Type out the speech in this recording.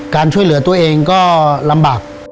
การช่วยเหลือตัวเองก็ลำบาก